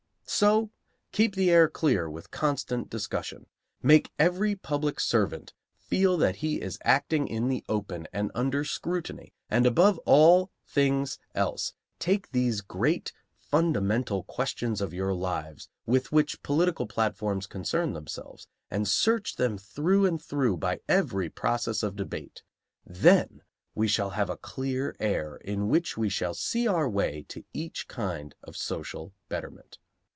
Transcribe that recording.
So, keep the air clear with constant discussion. Make every public servant feel that he is acting in the open and under scrutiny; and, above all things else, take these great fundamental questions of your lives with which political platforms concern themselves and search them through and through by every process of debate. Then we shall have a clear air in which we shall see our way to each kind of social betterment.